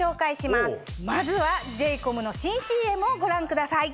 まずはＪ：ＣＯＭの新ＣＭをご覧ください。